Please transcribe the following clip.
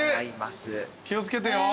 気を付けてよ。